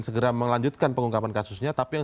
segera melanjutkan pengungkapan kasusnya tapi yang